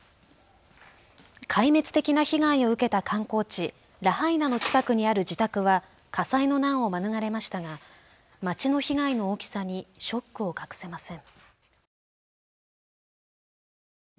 壊滅的な被害を受けた観光地ラハイナの近くにある自宅は火災の難を免れましたが街の被害の大きさにショックを隠せません。